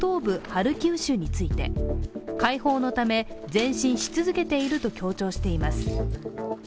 ハルキウ州について解放のため、前進し続けていると強調しています。